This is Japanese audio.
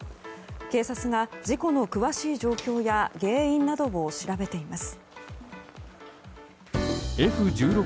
警察が事故の詳しい状況や原因などを調べています。